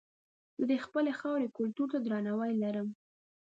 زه د خپلې خاورې کلتور ته درناوی لرم.